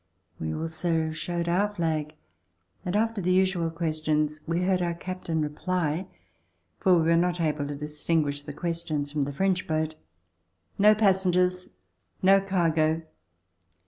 We also showed our flag, and after the usual questions, we heard our captain reply, for we were not able to distinguish the questions from the French boat: "No passengers; no cargo."